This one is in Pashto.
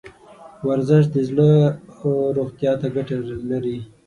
ورزش د زړه روغتیا ته ګټه لري.